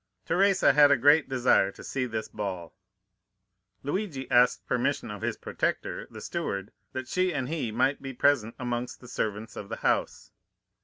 Teresa had a great desire to see this ball. Luigi asked permission of his protector, the steward, that she and he might be present amongst the servants of the house.